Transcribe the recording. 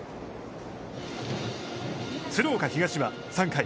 鶴岡東は３回。